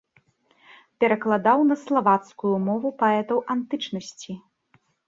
Перакладаў на славацкую мову паэтаў антычнасці.